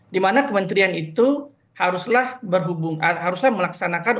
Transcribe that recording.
di mana kementerian itu haruslah berhubungan haruslah melaksanakan